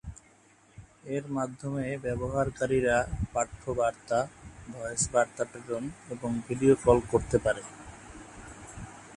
এর মাধ্যমে ব্যবহারকারীরা পাঠ্য বার্তা, ভয়েস বার্তা প্রেরণ এবং ভিডিও কল করতে পারে।